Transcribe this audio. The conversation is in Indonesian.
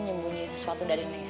nyembunyi sesuatu dari neng